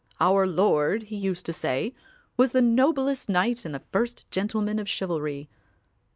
Our Lord, he used to say, was the noblest knight and the first gentleman of chivalry.